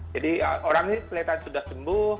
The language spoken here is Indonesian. jadi orang ini kelihatan sudah sembuh